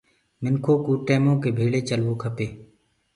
منکو ڪو ٽيمو ڪي ڀيݪي چلوو کپي